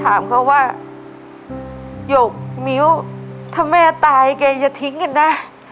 ถามเขาว่าหยกนิ้วถ้าแม่ตายแกอย่าทิ้งกันนะ